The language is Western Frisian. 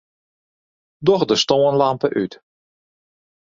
Doch de stânlampe út.